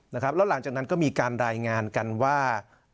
แล้วหลังจากนั้นก็มีการรายงานกันว่า